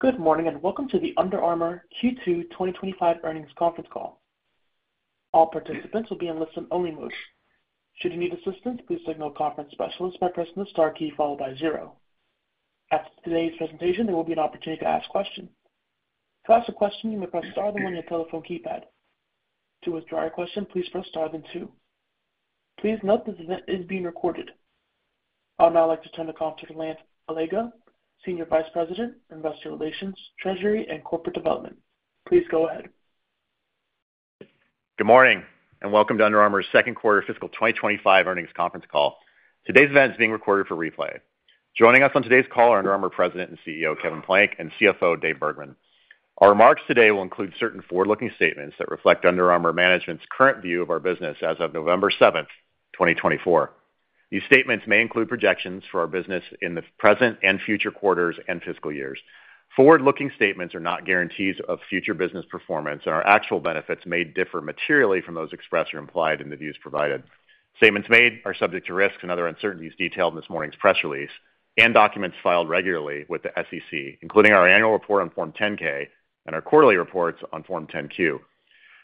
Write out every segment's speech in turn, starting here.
Good morning and welcome to the Under Armour Q2 2025 earnings conference call. All participants will be in listen-only mode. Should you need assistance, please signal conference specialist by pressing the star key followed by zero. After today's presentation, there will be an opportunity to ask questions. To ask a question, you may press star then one in your telephone keypad. To withdraw your question, please press star then two. Please note this event is being recorded. I would now like to turn the conference to Lance Allega, Senior Vice President, Investor Relations, Treasury, and Corporate Development. Please go ahead. Good morning and welcome to Under Armour's second quarter fiscal 2025 earnings conference call. Today's event is being recorded for replay. Joining us on today's call are Under Armour President and CEO Kevin Plank and CFO Dave Bergman. Our remarks today will include certain forward-looking statements that reflect Under Armour management's current view of our business as of November 7th, 2024. These statements may include projections for our business in the present and future quarters and fiscal years. Forward-looking statements are not guarantees of future business performance, and our actual benefits may differ materially from those expressed or implied in the views provided. Statements made are subject to risks and other uncertainties detailed in this morning's press release and documents filed regularly with the SEC, including our annual report on Form 10-K and our quarterly reports on Form 10-Q.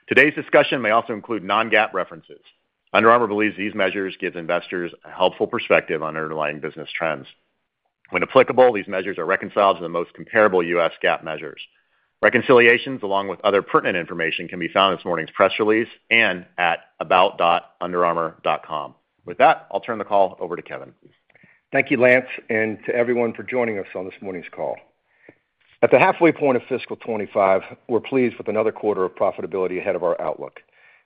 Today's discussion may also include non-GAAP references. Under Armour believes these measures give investors a helpful perspective on underlying business trends. When applicable, these measures are reconciled to the most comparable U.S. GAAP measures. Reconciliations, along with other pertinent information, can be found in this morning's press release and at about.underarmour.com. With that, I'll turn the call over to Kevin. Thank you, Lance, and to everyone for joining us on this morning's call. At the halfway point of fiscal 2025, we're pleased with another quarter of profitability ahead of our outlook,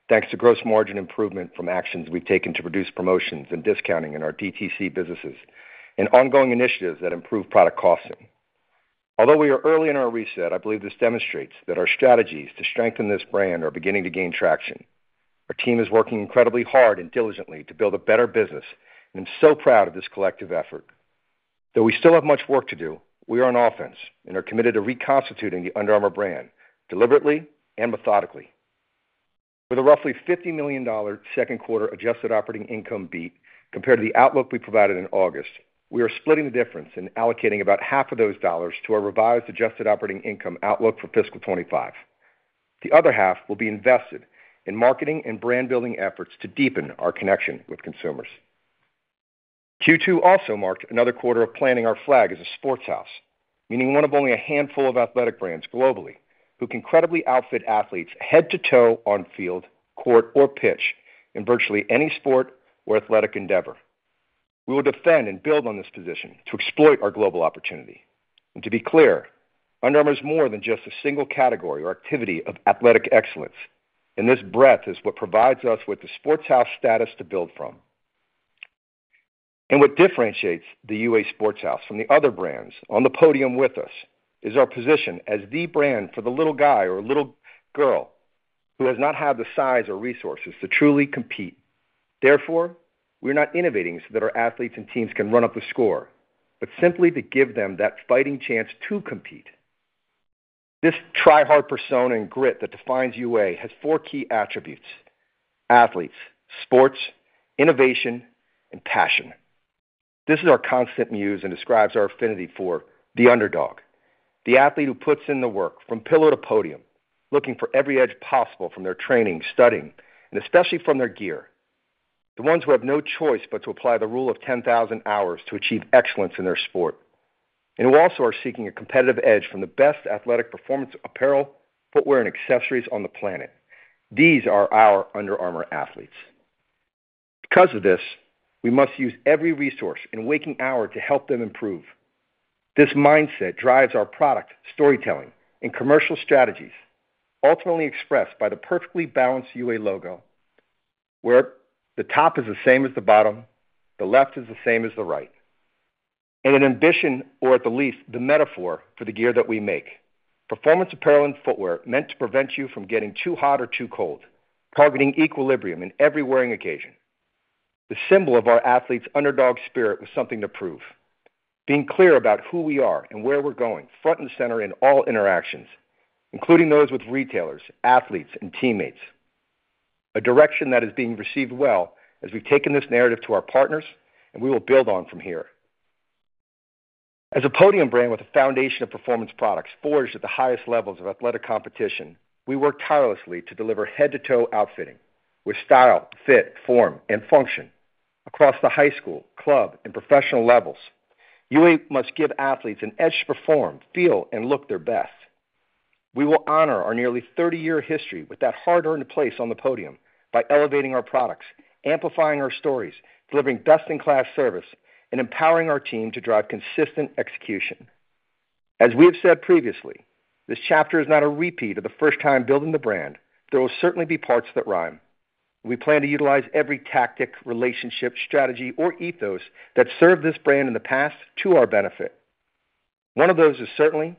thanks to gross margin improvement from actions we've taken to reduce promotions and discounting in our DTC businesses and ongoing initiatives that improve product costing. Although we are early in our reset, I believe this demonstrates that our strategies to strengthen this brand are beginning to gain traction. Our team is working incredibly hard and diligently to build a better business, and I'm so proud of this collective effort. Though we still have much work to do, we are on offense and are committed to reconstituting the Under Armour brand deliberately and methodically. With a roughly $50 million second quarter adjusted operating income beat compared to the outlook we provided in August, we are splitting the difference and allocating about half of those dollars to our revised adjusted operating income outlook for fiscal 2025. The other half will be invested in marketing and brand building efforts to deepen our connection with consumers. Q2 also marked another quarter of planting our flag as a Sports House, meaning one of only a handful of athletic brands globally who can credibly outfit athletes head to toe on field, court, or pitch in virtually any sport or athletic endeavor. We will defend and build on this position to exploit our global opportunity, and to be clear, Under Armour is more than just a single category or activity of athletic excellence, and this breadth is what provides us with the Sports House status to build from. And what differentiates the UA Sports House from the other brands on the podium with us is our position as the brand for the little guy or little girl who has not had the size or resources to truly compete. Therefore, we are not innovating so that our athletes and teams can run up the score, but simply to give them that fighting chance to compete. This tryhard persona and grit that defines UA has four key attributes: athletes, sports, innovation, and passion. This is our constant muse and describes our affinity for the underdog, the athlete who puts in the work from pillar to podium, looking for every edge possible from their training, studying, and especially from their gear. The ones who have no choice but to apply the rule of 10,000 hours to achieve excellence in their sport, and who also are seeking a competitive edge from the best athletic performance apparel, footwear, and accessories on the planet. These are our Under Armour athletes. Because of this, we must use every resource and waking hour to help them improve. This mindset drives our product storytelling and commercial strategies, ultimately expressed by the perfectly balanced UA logo where the top is the same as the bottom, the left is the same as the right, and an ambition, or at the least the metaphor for the gear that we make: performance apparel and footwear meant to prevent you from getting too hot or too cold, targeting equilibrium in every wearing occasion. The symbol of our athletes' underdog spirit was something to prove, being clear about who we are and where we're going front and center in all interactions, including those with retailers, athletes, and teammates. A direction that is being received well as we've taken this narrative to our partners, and we will build on from here. As a podium brand with a foundation of performance products forged at the highest levels of athletic competition, we work tirelessly to deliver head-to-toe outfitting with style, fit, form, and function across the high school, club, and professional levels. UA must give athletes an edge to perform, feel, and look their best. We will honor our nearly 30-year history with that hard-earned place on the podium by elevating our products, amplifying our stories, delivering best-in-class service, and empowering our team to drive consistent execution. As we have said previously, this chapter is not a repeat of the first time building the brand, but there will certainly be parts that rhyme. We plan to utilize every tactic, relationship, strategy, or ethos that served this brand in the past to our benefit. One of those is certainly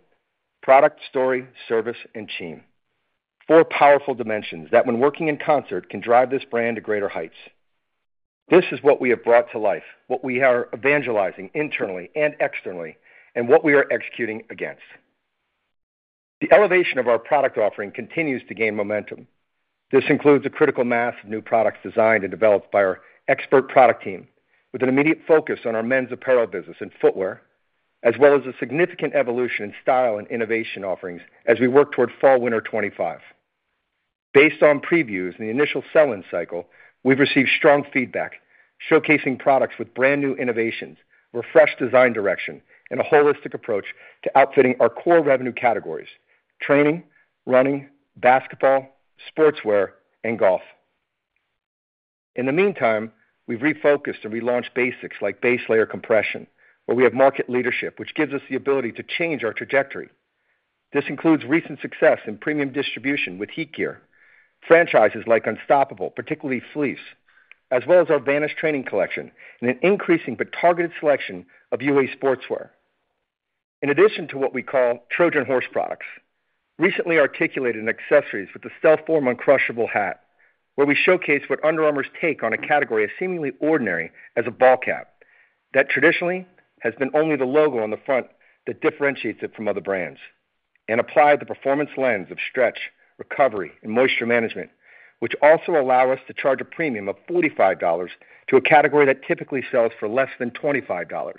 product, story, service, and team, four powerful dimensions that, when working in concert, can drive this brand to greater heights. This is what we have brought to life, what we are evangelizing internally and externally, and what we are executing against. The elevation of our product offering continues to gain momentum. This includes a critical mass of new products designed and developed by our expert product team, with an immediate focus on our men's apparel business and footwear, as well as a significant evolution in style and innovation offerings as we work toward Fall/Winter 2025. Based on previews in the initial sell-in cycle, we've received strong feedback showcasing products with brand-new innovations, refreshed design direction, and a holistic approach to outfitting our core revenue categories: training, running, basketball, sportswear, and golf. In the meantime, we've refocused and relaunched basics like base layer compression, where we have market leadership, which gives us the ability to change our trajectory. This includes recent success in premium distribution with HeatGear, franchises like Unstoppable, particularly Fleece, as well as our Vantage training collection and an increasing but targeted selection of UA Sportswear. In addition to what we call Trojan horse products, recently articulated accessories with the StealthForm uncrushable hat, where we showcase what Under Armour's take on a category as seemingly ordinary as a ball cap that traditionally has been only the logo on the front that differentiates it from other brands, and apply the performance lens of stretch, recovery, and moisture management, which also allow us to charge a premium of $45 to a category that typically sells for less than $25.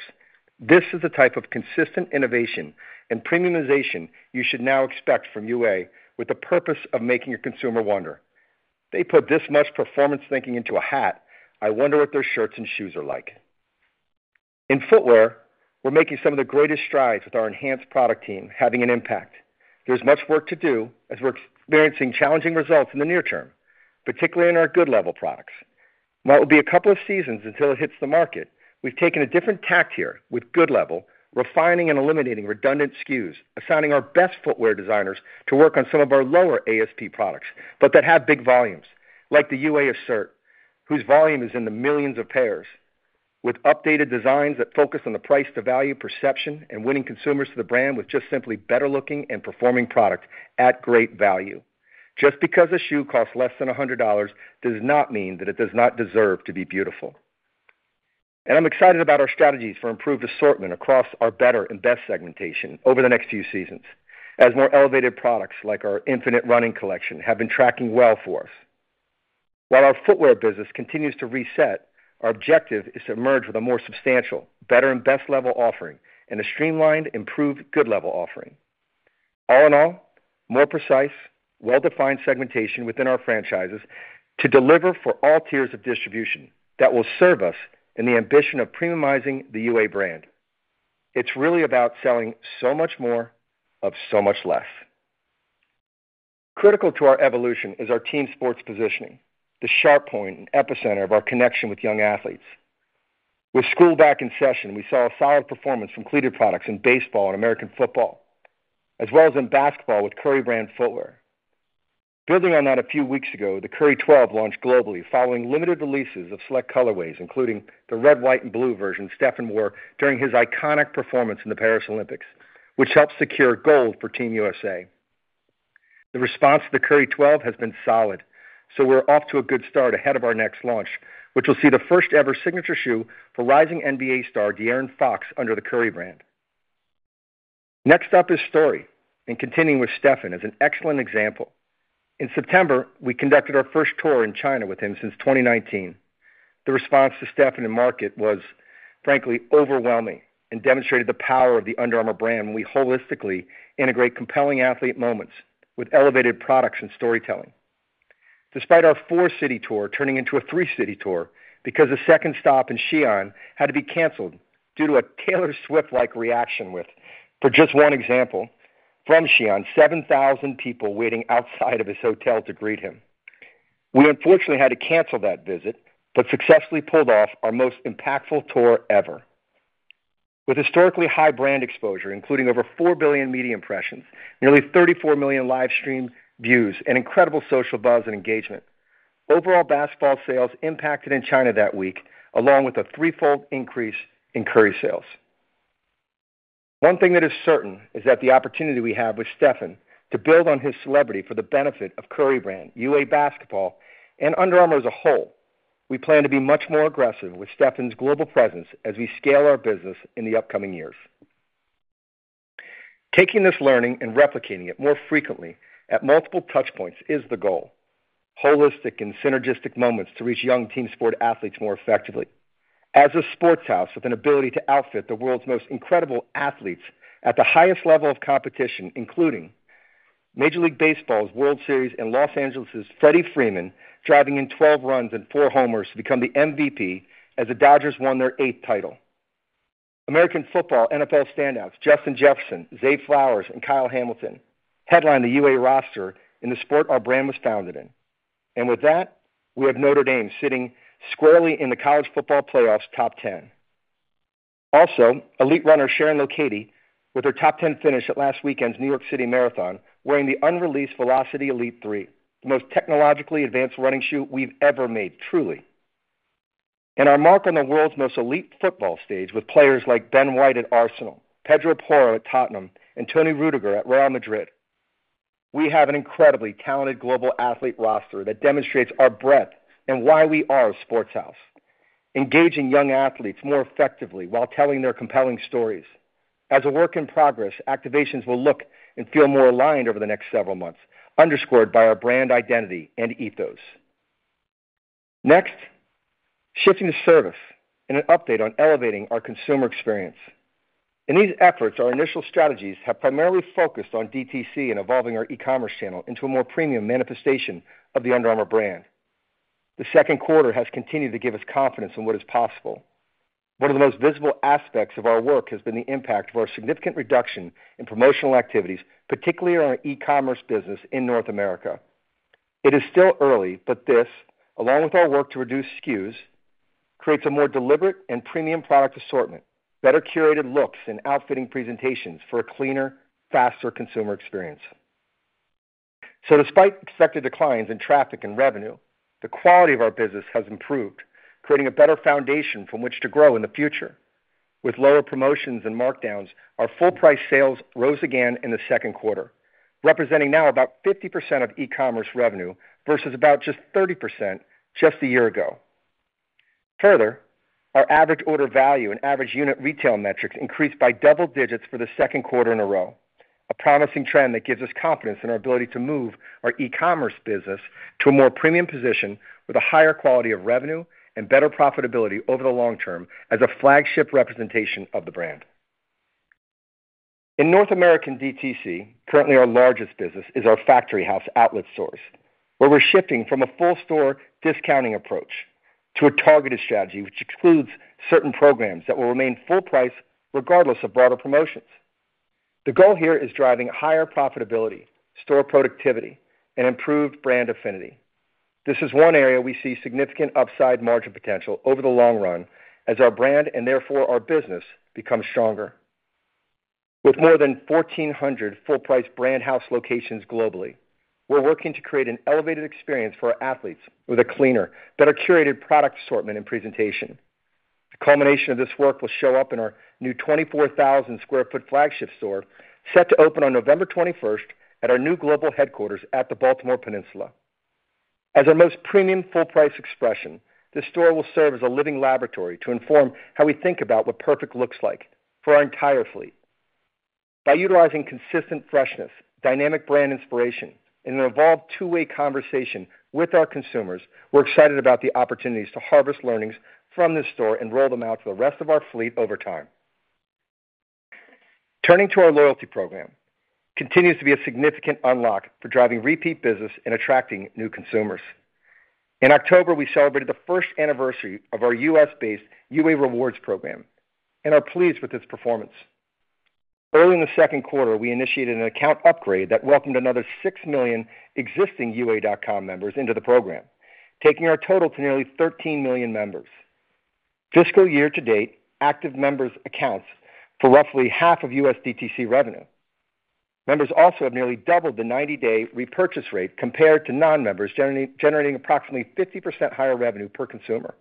This is the type of consistent innovation and premiumization you should now expect from UA with the purpose of making your consumer wonder. They put this much performance thinking into a hat. I wonder what their shirts and shoes are like. In footwear, we're making some of the greatest strides with our enhanced product team having an impact. There's much work to do as we're experiencing challenging results in the near term, particularly in our good level products. While it will be a couple of seasons until it hits the market, we've taken a different tack here with good level, refining and eliminating redundant SKUs, assigning our best footwear designers to work on some of our lower ASP products, but that have big volumes, like the UA Assert, whose volume is in the millions of pairs, with updated designs that focus on the price-to-value perception and winning consumers to the brand with just simply better-looking and performing product at great value. Just because a shoe costs less than $100 does not mean that it does not deserve to be beautiful. I'm excited about our strategies for improved assortment across our better and best segmentation over the next few seasons, as more elevated products like our UA Infinite running collection have been tracking well for us. While our footwear business continues to reset, our objective is to emerge with a more substantial, better and best level offering and a streamlined, improved good level offering. All in all, more precise, well-defined segmentation within our franchises to deliver for all tiers of distribution that will serve us in the ambition of premiumizing the UA brand. It's really about selling so much more of so much less. Critical to our evolution is our team sports positioning, the sharp point and epicenter of our connection with young athletes. With school back in session, we saw a solid performance from cleated products in baseball and American football, as well as in basketball with Curry Brand footwear. Building on that, a few weeks ago, the Curry 12 launched globally following limited releases of select colorways, including the red, white, and blue version Stephen wore during his iconic performance in the Paris Olympics, which helped secure gold for Team U.S.A. The response to the Curry 12 has been solid, so we're off to a good start ahead of our next launch, which will see the first-ever signature shoe for rising NBA star De'Aaron Fox under the Curry Brand. Next up is story, and continuing with Stephen as an excellent example. In September, we conducted our first tour in China with him since 2019. The response to Stephen in market was, frankly, overwhelming and demonstrated the power of the Under Armour brand when we holistically integrate compelling athlete moments with elevated products and storytelling. Despite our four-city tour turning into a three-city tour because a second stop in Xi'an had to be canceled due to a Taylor Swift-like reaction with, for just one example, from Xi'an, 7,000 people waiting outside of his hotel to greet him. We unfortunately had to cancel that visit, but successfully pulled off our most impactful tour ever. With historically high brand exposure, including over 4 billion media impressions, nearly 34 million live stream views, and incredible social buzz and engagement, overall basketball sales impacted in China that week, along with a threefold increase in Curry sales. One thing that is certain is that the opportunity we have with Stephen to build on his celebrity for the benefit of Curry Brand, UA Basketball, and Under Armour as a whole, we plan to be much more aggressive with Stephen's global presence as we scale our business in the upcoming years. Taking this learning and replicating it more frequently at multiple touchpoints is the goal: holistic and synergistic moments to reach young team sport athletes more effectively. As a sports house with an ability to outfit the world's most incredible athletes at the highest level of competition, including Major League Baseball's World Series and Los Angeles' Freddie Freeman driving in 12 runs and four homers to become the MVP as the Dodgers won their eighth title, American football NFL standouts Justin Jefferson, Zay Flowers, and Kyle Hamilton headlined the UA roster in the sport our brand was founded in. With that, we have Notre Dame sitting squarely in the college football playoffs top 10. Also, elite runner Sharon Lokedi with her top 10 finish at last weekend's New York City Marathon, wearing the unreleased Velociti Elite 3, the most technologically advanced running shoe we've ever made, truly. Our mark on the world's most elite football stage with players like Ben White at Arsenal, Pedro Porro at Tottenham, and Antonio Rüdiger at Real Madrid. We have an incredibly talented global athlete roster that demonstrates our breadth and why we are a Sports House: engaging young athletes more effectively while telling their compelling stories. As a work in progress, activations will look and feel more aligned over the next several months, underscored by our brand identity and ethos. Next, shifting to service and an update on elevating our consumer experience. In these efforts, our initial strategies have primarily focused on DTC and evolving our e-commerce channel into a more premium manifestation of the Under Armour brand. The second quarter has continued to give us confidence in what is possible. One of the most visible aspects of our work has been the impact of our significant reduction in promotional activities, particularly in our e-commerce business in North America. It is still early, but this, along with our work to reduce SKUs, creates a more deliberate and premium product assortment, better curated looks, and outfitting presentations for a cleaner, faster consumer experience. So despite expected declines in traffic and revenue, the quality of our business has improved, creating a better foundation from which to grow in the future. With lower promotions and markdowns, our full-price sales rose again in the second quarter, representing now about 50% of e-commerce revenue versus about just 30% just a year ago. Further, our average order value and average unit retail metrics increased by double digits for the second quarter in a row, a promising trend that gives us confidence in our ability to move our e-commerce business to a more premium position with a higher quality of revenue and better profitability over the long term as a flagship representation of the brand. In North America, DTC, currently our largest business, is our Factory House outlet stores, where we're shifting from a full-store discounting approach to a targeted strategy, which includes certain programs that will remain full price regardless of broader promotions. The goal here is driving higher profitability, store productivity, and improved brand affinity. This is one area we see significant upside margin potential over the long run as our brand and therefore our business becomes stronger. With more than 1,400 full-price Brand House locations globally, we're working to create an elevated experience for our athletes with a cleaner, better curated product assortment and presentation. The culmination of this work will show up in our new 24,000 sq ft flagship store, set to open on November 21st at our new global headquarters at the Baltimore Peninsula. As our most premium full-price expression, this store will serve as a living laboratory to inform how we think about what perfect looks like for our entire fleet. By utilizing consistent freshness, dynamic brand inspiration, and an evolved two-way conversation with our consumers, we're excited about the opportunities to harvest learnings from this store and roll them out to the rest of our fleet over time. Turning to our loyalty program, it continues to be a significant unlock for driving repeat business and attracting new consumers. In October, we celebrated the first anniversary of our U.S.-based UA Rewards program and are pleased with its performance. Early in the second quarter, we initiated an account upgrade that welcomed another 6 million existing UA.com members into the program, taking our total to nearly 13 million members. Fiscal year to date, active members account for roughly half of U.S. DTC revenue. Members also have nearly doubled the 90-day repurchase rate compared to non-members, generating approximately 50% higher revenue per consumer.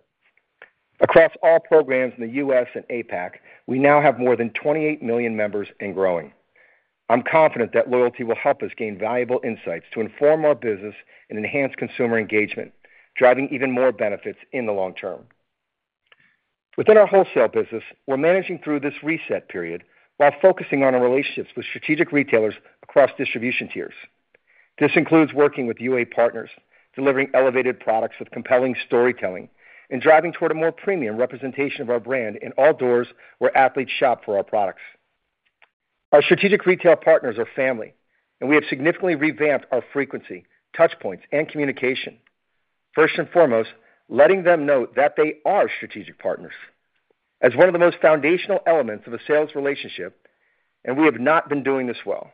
Across all programs in the U.S. and APAC, we now have more than 28 million members and growing. I'm confident that loyalty will help us gain valuable insights to inform our business and enhance consumer engagement, driving even more benefits in the long term. Within our wholesale business, we're managing through this reset period while focusing on our relationships with strategic retailers across distribution tiers. This includes working with UA partners, delivering elevated products with compelling storytelling, and driving toward a more premium representation of our brand in all doors where athletes shop for our products. Our strategic retail partners are family, and we have significantly revamped our frequency, touchpoints, and communication. First and foremost, letting them know that they are strategic partners as one of the most foundational elements of a sales relationship, and we have not been doing this well.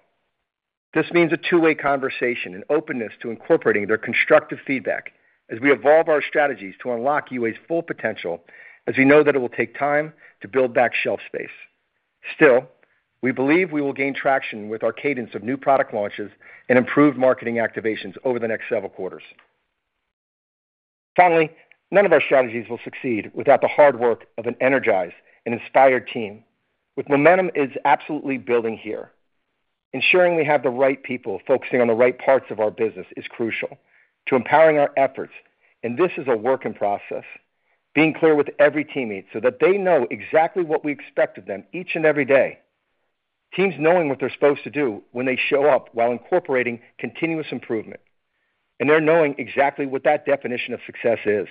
This means a two-way conversation and openness to incorporating their constructive feedback as we evolve our strategies to unlock UA's full potential, as we know that it will take time to build back shelf space. Still, we believe we will gain traction with our cadence of new product launches and improved marketing activations over the next several quarters. Finally, none of our strategies will succeed without the hard work of an energized and inspired team. With momentum is absolutely building here. Ensuring we have the right people focusing on the right parts of our business is crucial to empowering our efforts, and this is a work in process. Being clear with every teammate so that they know exactly what we expect of them each and every day. Teams knowing what they're supposed to do when they show up while incorporating continuous improvement, and they're knowing exactly what that definition of success is.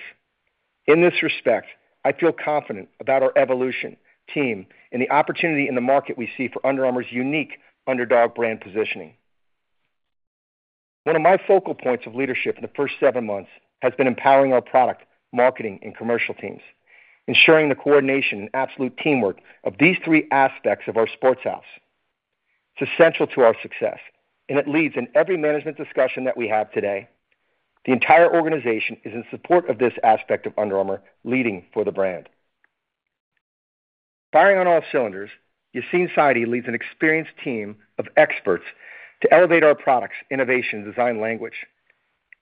In this respect, I feel confident about our evolution, team, and the opportunity in the market we see for Under Armour's unique underdog brand positioning. One of my focal points of leadership in the first seven months has been empowering our product, marketing, and commercial teams, ensuring the coordination and absolute teamwork of these three aspects of our Sports House. It's essential to our success, and it leads in every management discussion that we have today. The entire organization is in support of this aspect of Under Armour leading for the brand. Firing on all cylinders, Yassine Saidi leads an experienced team of experts to elevate our products, innovation, design language,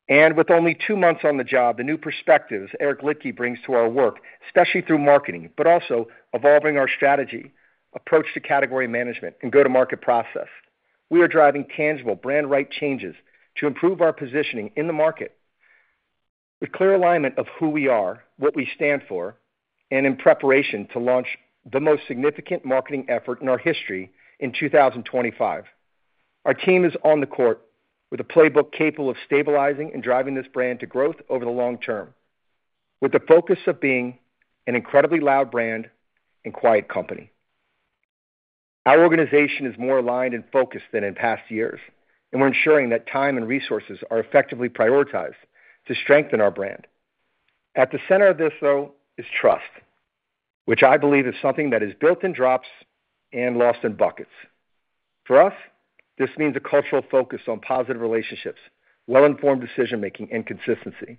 and with only two months on the job, the new perspectives Eric Liedtke brings to our work, especially through marketing, but also evolving our strategy, approach to category management, and go-to-market process. We are driving tangible, brand-right changes to improve our positioning in the market with clear alignment of who we are, what we stand for, and in preparation to launch the most significant marketing effort in our history in 2025. Our team is on the court with a playbook capable of stabilizing and driving this brand to growth over the long term, with the focus of being an incredibly loud brand and quiet company. Our organization is more aligned and focused than in past years, and we're ensuring that time and resources are effectively prioritized to strengthen our brand. At the center of this, though, is trust, which I believe is something that is built in drops and lost in buckets. For us, this means a cultural focus on positive relationships, well-informed decision-making, and consistency.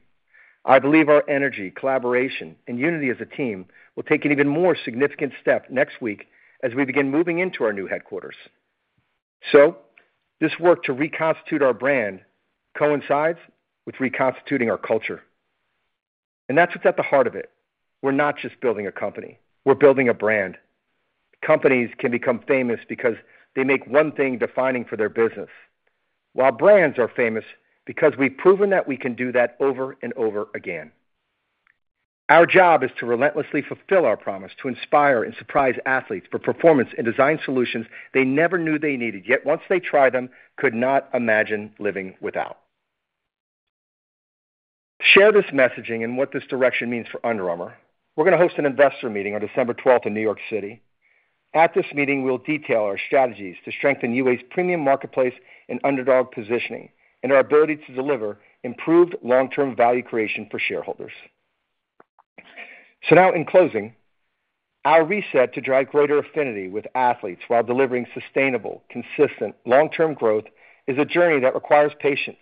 I believe our energy, collaboration, and unity as a team will take an even more significant step next week as we begin moving into our new headquarters. So this work to reconstitute our brand coincides with reconstituting our culture. And that's what's at the heart of it. We're not just building a company. We're building a brand. Companies can become famous because they make one thing defining for their business, while brands are famous because we've proven that we can do that over and over again. Our job is to relentlessly fulfill our promise to inspire and surprise athletes for performance and design solutions they never knew they needed, yet once they try them, could not imagine living without. To share this messaging and what this direction means for Under Armour, we're going to host an investor meeting on December 12th in New York City. At this meeting, we'll detail our strategies to strengthen UA's premium marketplace and underdog positioning and our ability to deliver improved long-term value creation for shareholders. So now, in closing, our reset to drive greater affinity with athletes while delivering sustainable, consistent long-term growth is a journey that requires patience.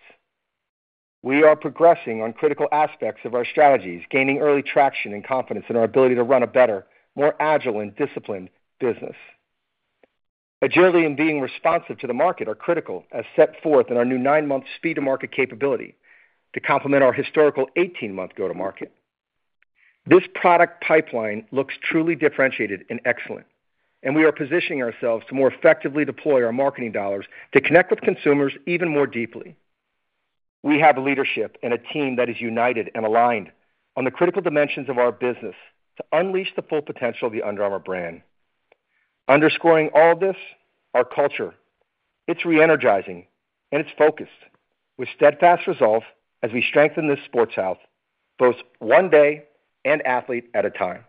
We are progressing on critical aspects of our strategies, gaining early traction and confidence in our ability to run a better, more agile, and disciplined business. Agility and being responsive to the market are critical, as set forth in our new nine-month speed-to-market capability to complement our historical 18-month go-to-market. This product pipeline looks truly differentiated and excellent, and we are positioning ourselves to more effectively deploy our marketing dollars to connect with consumers even more deeply. We have leadership and a team that is united and aligned on the critical dimensions of our business to unleash the full potential of the Under Armour brand. Underscoring all this, our culture, it's re-energizing, and it's focused with steadfast resolve as we strengthen this Sports House, both one day and athlete at a time,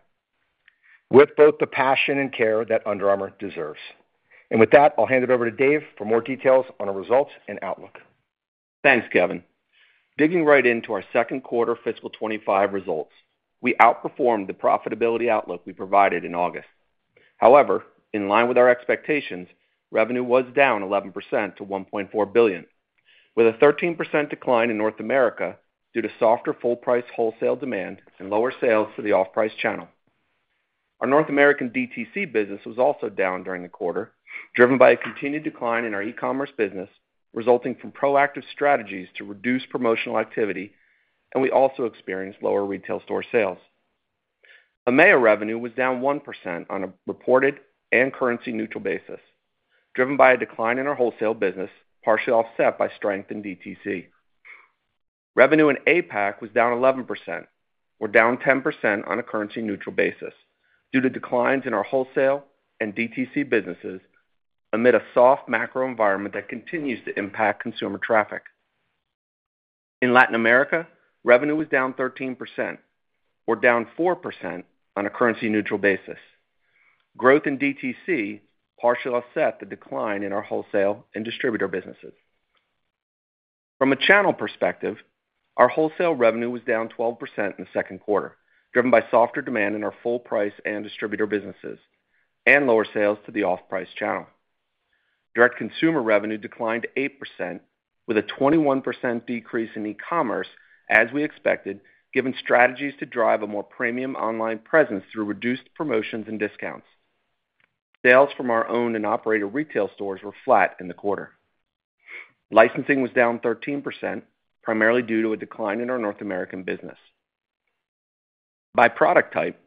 with both the passion and care that Under Armour deserves. And with that, I'll hand it over to Dave for more details on our results and outlook. Thanks, Kevin. Digging right into our second quarter fiscal 2025 results, we outperformed the profitability outlook we provided in August. However, in line with our expectations, revenue was down 11% to $1.4 billion, with a 13% decline in North America due to softer full-price wholesale demand and lower sales for the off-price channel. Our North American DTC business was also down during the quarter, driven by a continued decline in our e-commerce business resulting from proactive strategies to reduce promotional activity, and we also experienced lower retail store sales. EMEA revenue was down 1% on a reported and currency-neutral basis, driven by a decline in our wholesale business, partially offset by strength in DTC. Revenue in APAC was down 11%. We're down 10% on a currency-neutral basis due to declines in our wholesale and DTC businesses amid a soft macro environment that continues to impact consumer traffic. In Latin America, revenue was down 13%. We're down 4% on a currency-neutral basis. Growth in DTC partially offset the decline in our wholesale and distributor businesses. From a channel perspective, our wholesale revenue was down 12% in the second quarter, driven by softer demand in our full-price and distributor businesses and lower sales to the off-price channel. Direct consumer revenue declined 8%, with a 21% decrease in e-commerce, as we expected, given strategies to drive a more premium online presence through reduced promotions and discounts. Sales from our own and operated retail stores were flat in the quarter. Licensing was down 13%, primarily due to a decline in our North American business. By product type,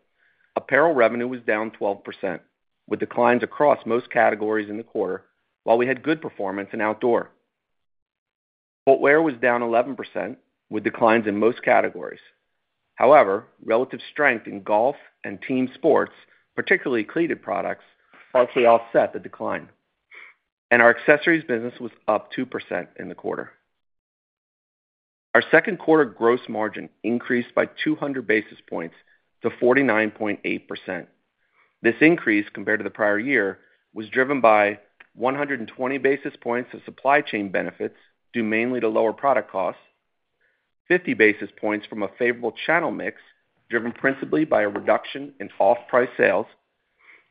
apparel revenue was down 12%, with declines across most categories in the quarter, while we had good performance in outdoor. Footwear was down 11%, with declines in most categories. However, relative strength in golf and team sports, particularly cleated products, partially offset the decline, and our accessories business was up 2% in the quarter. Our second quarter gross margin increased by 200 basis points to 49.8%. This increase, compared to the prior year, was driven by 120 basis points of supply chain benefits due mainly to lower product costs, 50 basis points from a favorable channel mix, driven principally by a reduction in off-price sales,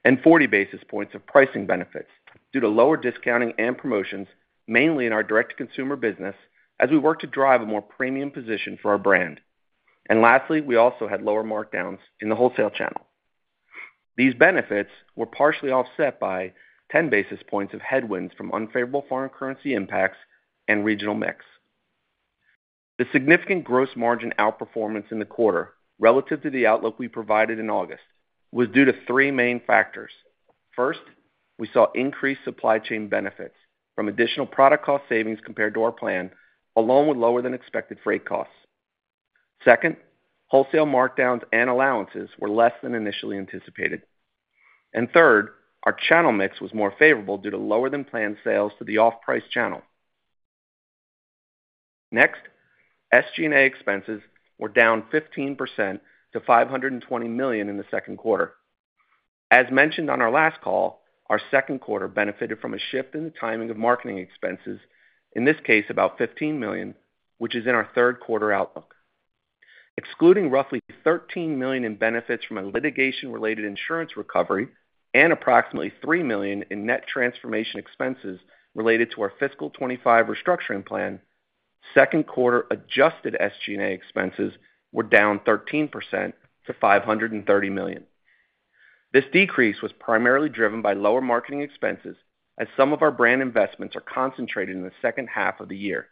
and 40 basis points of pricing benefits due to lower discounting and promotions, mainly in our direct-to-consumer business as we work to drive a more premium position for our brand. And lastly, we also had lower markdowns in the wholesale channel. These benefits were partially offset by 10 basis points of headwinds from unfavorable foreign currency impacts and regional mix. The significant gross margin outperformance in the quarter relative to the outlook we provided in August was due to three main factors. First, we saw increased supply chain benefits from additional product cost savings compared to our plan, along with lower-than-expected freight costs. Second, wholesale markdowns and allowances were less than initially anticipated, and third, our channel mix was more favorable due to lower-than-planned sales to the off-price channel. Next, SG&A expenses were down 15% to $520 million in the second quarter. As mentioned on our last call, our second quarter benefited from a shift in the timing of marketing expenses, in this case, about $15 million, which is in our third quarter outlook. Excluding roughly $13 million in benefits from a litigation-related insurance recovery and approximately $3 million in net transformation expenses related to our fiscal 2025 restructuring plan, second quarter adjusted SG&A expenses were down 13% to $530 million. This decrease was primarily driven by lower marketing expenses as some of our brand investments are concentrated in the second half of the year.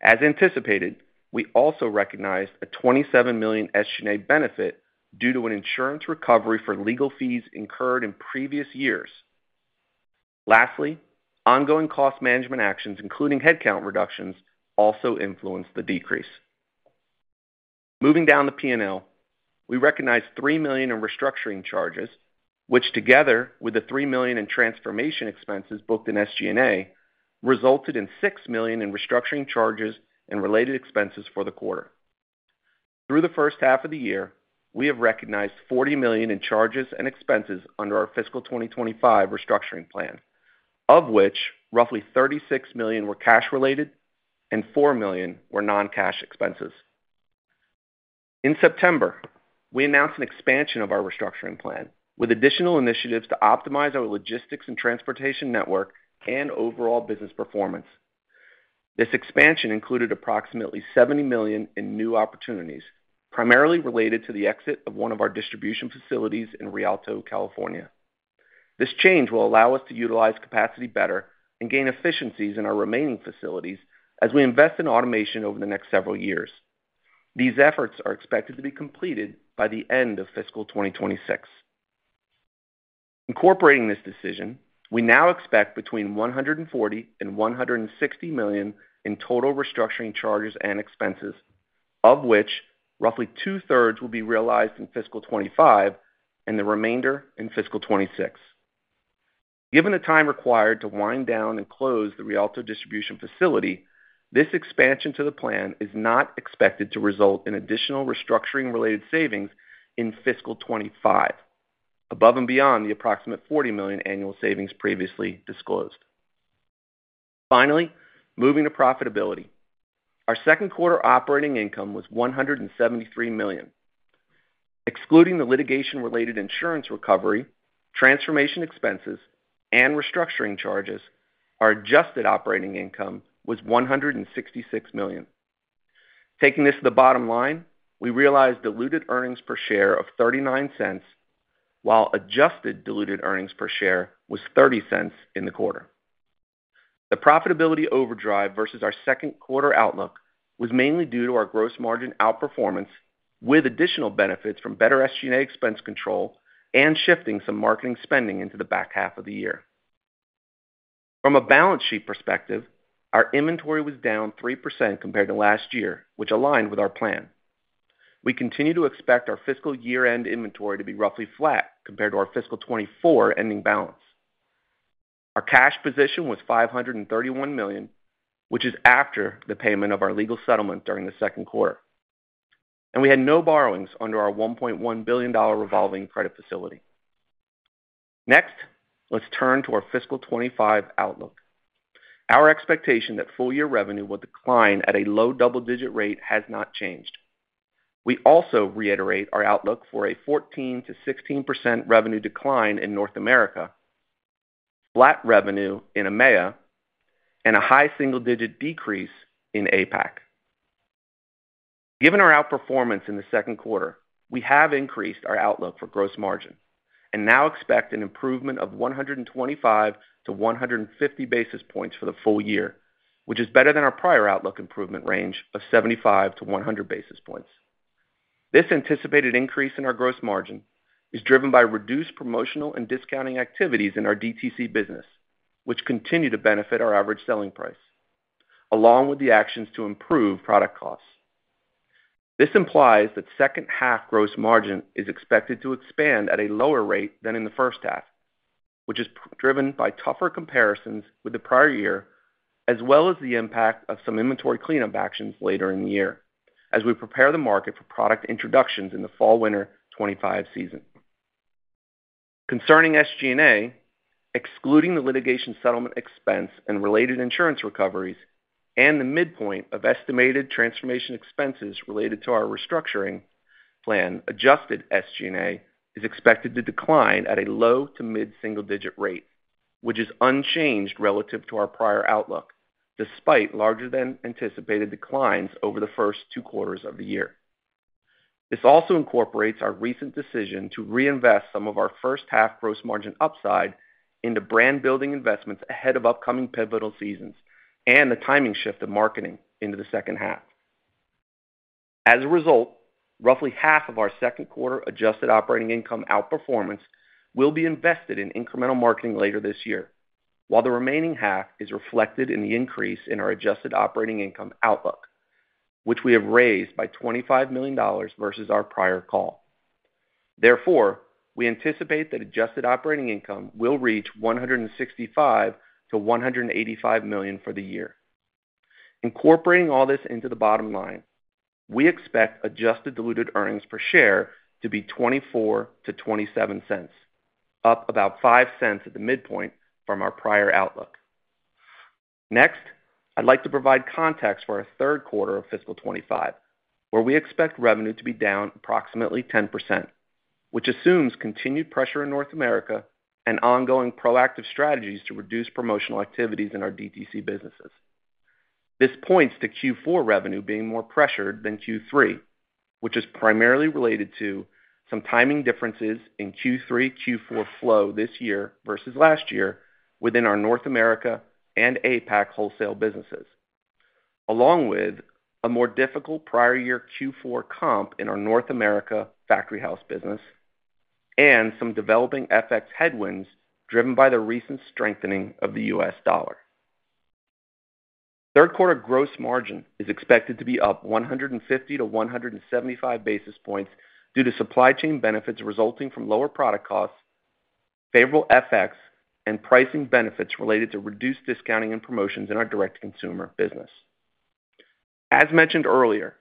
As anticipated, we also recognized a $27 million SG&A benefit due to an insurance recovery for legal fees incurred in previous years. Lastly, ongoing cost management actions, including headcount reductions, also influenced the decrease. Moving down the P&L, we recognized $3 million in restructuring charges, which together with the $3 million in transformation expenses booked in SG&A resulted in $6 million in restructuring charges and related expenses for the quarter. Through the first half of the year, we have recognized $40 million in charges and expenses under our fiscal 2025 restructuring plan, of which roughly $36 million were cash-related and $4 million were non-cash expenses. In September, we announced an expansion of our restructuring plan with additional initiatives to optimize our logistics and transportation network and overall business performance. This expansion included approximately $70 million in new opportunities, primarily related to the exit of one of our distribution facilities in Rialto, California. This change will allow us to utilize capacity better and gain efficiencies in our remaining facilities as we invest in automation over the next several years. These efforts are expected to be completed by the end of fiscal 2026. Incorporating this decision, we now expect between $140 million and $160 million in total restructuring charges and expenses, of which roughly two-thirds will be realized in fiscal 2025 and the remainder in fiscal 2026. Given the time required to wind down and close the Rialto distribution facility, this expansion to the plan is not expected to result in additional restructuring-related savings in fiscal 2025, above and beyond the approximate $40 million annual savings previously disclosed. Finally, moving to profitability. Our second quarter operating income was $173 million. Excluding the litigation-related insurance recovery, transformation expenses, and restructuring charges, our adjusted operating income was $166 million. Taking this to the bottom line, we realized diluted earnings per share of $0.39, while adjusted diluted earnings per share was $0.30 in the quarter. The profitability overdrive versus our second quarter outlook was mainly due to our gross margin outperformance with additional benefits from better SG&A expense control and shifting some marketing spending into the back half of the year. From a balance sheet perspective, our inventory was down 3% compared to last year, which aligned with our plan. We continue to expect our fiscal year-end inventory to be roughly flat compared to our fiscal 2024 ending balance. Our cash position was $531 million, which is after the payment of our legal settlement during the second quarter. And we had no borrowings under our $1.1 billion revolving credit facility. Next, let's turn to our fiscal 2025 outlook. Our expectation that full-year revenue will decline at a low double-digit rate has not changed. We also reiterate our outlook for a 14%-16% revenue decline in North America, flat revenue in EMEA, and a high single-digit decrease in APAC. Given our outperformance in the second quarter, we have increased our outlook for gross margin and now expect an improvement of 125-150 basis points for the full year, which is better than our prior outlook improvement range of 75-100 basis points. This anticipated increase in our gross margin is driven by reduced promotional and discounting activities in our DTC business, which continue to benefit our average selling price, along with the actions to improve product costs. This implies that second-half gross margin is expected to expand at a lower rate than in the first half, which is driven by tougher comparisons with the prior year, as well as the impact of some inventory cleanup actions later in the year as we prepare the market for product introductions in the Fall/Winter 2025 season. Concerning SG&A, excluding the litigation settlement expense and related insurance recoveries and the midpoint of estimated transformation expenses related to our restructuring plan, adjusted SG&A is expected to decline at a low to mid single-digit rate, which is unchanged relative to our prior outlook, despite larger-than-anticipated declines over the first two quarters of the year. This also incorporates our recent decision to reinvest some of our first-half gross margin upside into brand-building investments ahead of upcoming pivotal seasons and the timing shift of marketing into the second half. As a result, roughly half of our second quarter adjusted operating income outperformance will be invested in incremental marketing later this year, while the remaining half is reflected in the increase in our adjusted operating income outlook, which we have raised by $25 million versus our prior call. Therefore, we anticipate that adjusted operating income will reach $165 million-$185 million for the year. Incorporating all this into the bottom line, we expect adjusted diluted earnings per share to be $0.24-$0.27, up about $0.05 at the midpoint from our prior outlook. Next, I'd like to provide context for our third quarter of fiscal 2025, where we expect revenue to be down approximately 10%, which assumes continued pressure in North America and ongoing proactive strategies to reduce promotional activities in our DTC businesses. This points to Q4 revenue being more pressured than Q3, which is primarily related to some timing differences in Q3/Q4 flow this year versus last year within our North America and APAC wholesale businesses, along with a more difficult prior-year Q4 comp in our North America factory house business and some developing FX headwinds driven by the recent strengthening of the U.S. dollar. Third quarter gross margin is expected to be up 150-175 basis points due to supply chain benefits resulting from lower product costs, favorable FX, and pricing benefits related to reduced discounting and promotions in our direct-to-consumer business. As mentioned earlier,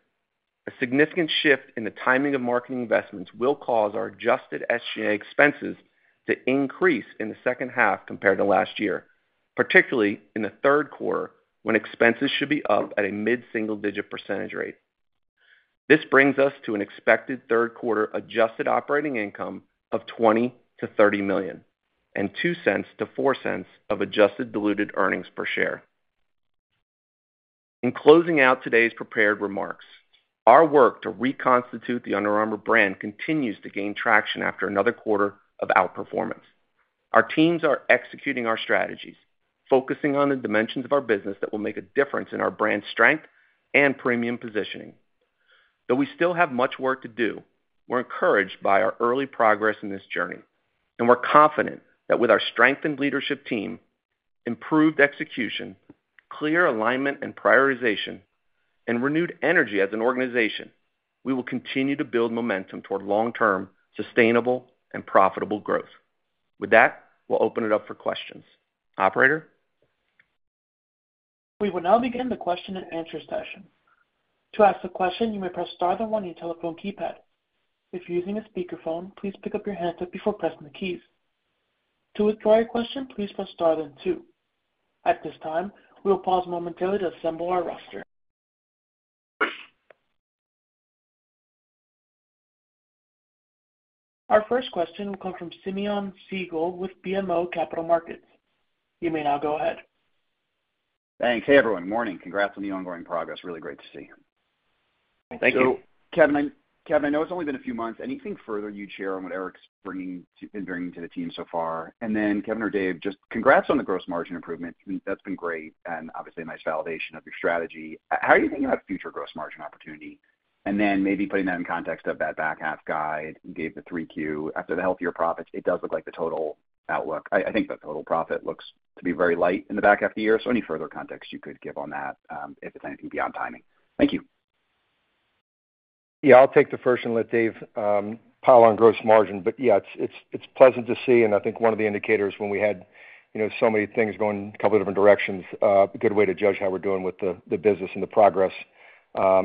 a significant shift in the timing of marketing investments will cause our adjusted SG&A expenses to increase in the second half compared to last year, particularly in the third quarter when expenses should be up at a mid-single-digit percentage rate. This brings us to an expected third quarter adjusted operating income of $20 million-$30 million and $0.02-$0.04 of adjusted diluted earnings per share. In closing out today's prepared remarks, our work to reconstitute the Under Armour brand continues to gain traction after another quarter of outperformance. Our teams are executing our strategies, focusing on the dimensions of our business that will make a difference in our brand strength and premium positioning. Though we still have much work to do, we're encouraged by our early progress in this journey, and we're confident that with our strengthened leadership team, improved execution, clear alignment and prioritization, and renewed energy as an organization, we will continue to build momentum toward long-term sustainable and profitable growth. With that, we'll open it up for questions. Operator. We will now begin the question and answer session. To ask a question, you may press star then one on your telephone keypad. If you're using a speakerphone, please pick up the handset before pressing the keys. To withdraw your question, please press star then two. At this time, we will pause momentarily to assemble our roster. Our first question will come from Simeon Siegel with BMO Capital Markets. You may now go ahead. Thanks. Hey, everyone. Morning. Congrats on the ongoing progress. Really great to see you. Thank you. So, Kevin, I know it's only been a few months. Anything further you'd share on what Eric's been bringing to the team so far? And then, Kevin or Dave, just congrats on the gross margin improvement. That's been great and obviously a nice validation of your strategy. How are you thinking about future gross margin opportunity? And then, maybe putting that in context of that back half guide you gave the 3Q. After the healthier profits, it does look like the total outlook. I think the total profit looks to be very light in the back half of the year. So any further context you could give on that, if it's anything beyond timing? Thank you. Yeah, I'll take the first and let Dave pile on gross margin. But yeah, it's pleasant to see. And I think one of the indicators when we had so many things going a couple of different directions, a good way to judge how we're doing with the business and the progress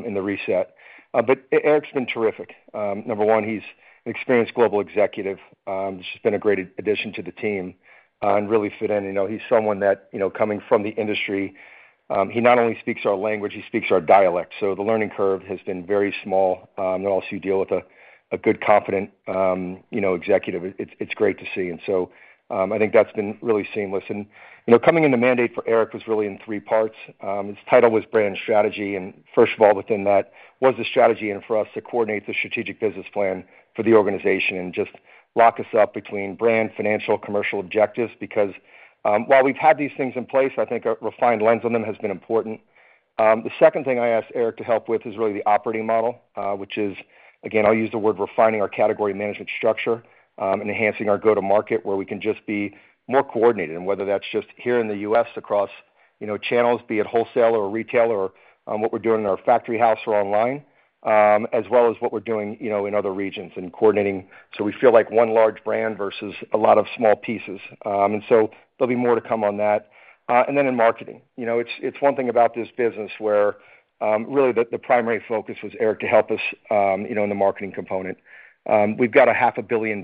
in the reset. But Eric's been terrific. Number one, he's an experienced global executive. This has been a great addition to the team and really fit in. He's someone that, coming from the industry, he not only speaks our language, he speaks our dialect. So the learning curve has been very small. And also, you deal with a good, confident executive. It's great to see. And so I think that's been really seamless. And coming into mandate for Eric was really in three parts. His title was Brand Strategy. And first of all, within that was the strategy, and for us to coordinate the strategic business plan for the organization and just link us up between brand, financial, commercial objectives. Because while we've had these things in place, I think a refined lens on them has been important. The second thing I asked Eric to help with is really the operating model, which is, again, I'll use the word refining our category management structure and enhancing our go-to-market where we can just be more coordinated. And whether that's just here in the U.S. across channels, be it wholesale or retail or what we're doing in our factory house or online, as well as what we're doing in other regions and coordinating so we feel like one large brand versus a lot of small pieces. And so there'll be more to come on that. And then in marketing, it's one thing about this business where really the primary focus was Eric to help us in the marketing component. We've got a $500 million+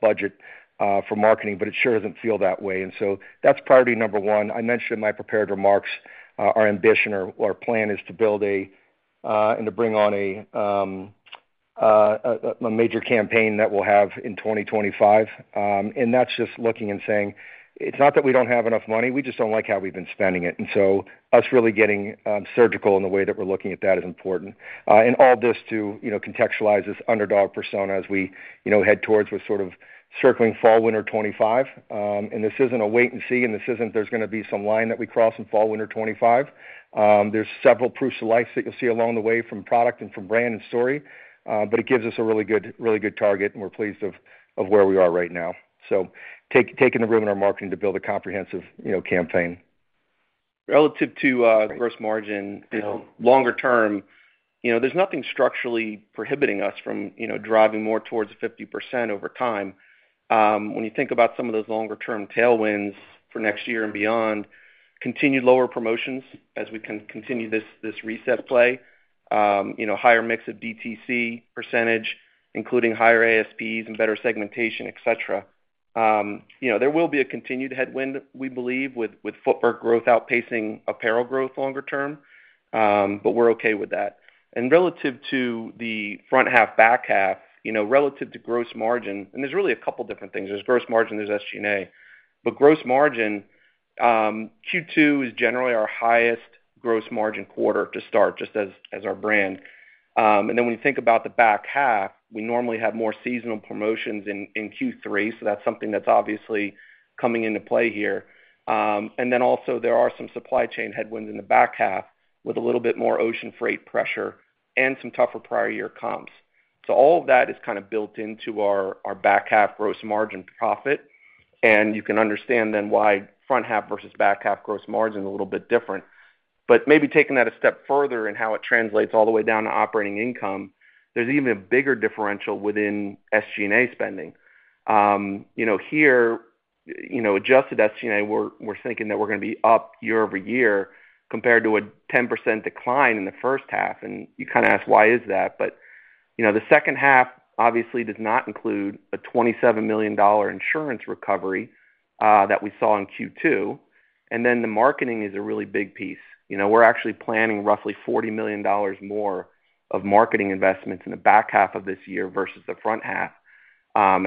budget for marketing, but it sure doesn't feel that way. And so that's priority number one. I mentioned in my prepared remarks, our ambition or plan is to build and to bring on a major campaign that we'll have in 2025. And that's just looking and saying, "It's not that we don't have enough money. We just don't like how we've been spending it." And so us really getting surgical in the way that we're looking at that is important. And all this to contextualize this underdog persona as we head towards what's sort of circling Fall/Winter 2025. And this isn't a wait and see, and this isn't there's going to be some line that we cross in Fall/Winter 2025. There's several proofs of life that you'll see along the way from product and from brand and story. But it gives us a really good target, and we're pleased of where we are right now. So taking the room in our marketing to build a comprehensive campaign. Relative to gross margin longer term, there's nothing structurally prohibiting us from driving more towards 50% over time. When you think about some of those longer-term tailwinds for next year and beyond, continued lower promotions as we can continue this reset play, higher mix of DTC percentage, including higher ASPs and better segmentation, etc. There will be a continued headwind, we believe, with footwear growth outpacing apparel growth longer term, but we're okay with that. Relative to the front half, back half, relative to gross margin, and there's really a couple of different things. There's gross margin, there's SG&A. Gross margin, Q2 is generally our highest gross margin quarter to start, just as our brand. When you think about the back half, we normally have more seasonal promotions in Q3, so that's something that's obviously coming into play here. And then also, there are some supply chain headwinds in the back half with a little bit more ocean freight pressure and some tougher prior-year comps. So all of that is kind of built into our back half gross margin profit. And you can understand then why front half versus back half gross margin is a little bit different. But maybe taking that a step further and how it translates all the way down to operating income, there's even a bigger differential within SG&A spending. Here, adjusted SG&A, we're thinking that we're going to be up year-over-year compared to a 10% decline in the first half. And you kind of ask, "Why is that?" But the second half obviously does not include a $27 million insurance recovery that we saw in Q2. And then the marketing is a really big piece. We're actually planning roughly $40 million more of marketing investments in the back half of this year versus the front half